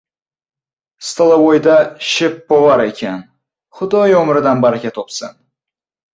— Istalovoyda sheppovar ekan. Xudoyo umridan baraka topsin.